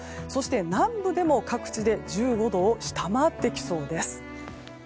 南部でも各地で１５度を下回ってきそうです。